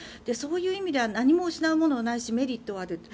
そういう意味では何も失うものはないしメリットはある。